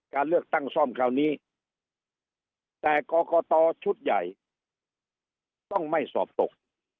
การเลือกตั้งซ่อมคราวนี้แต่กรกตชุดใหญ่ต้องไม่สอบตก